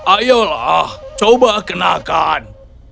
ayolah coba kenakan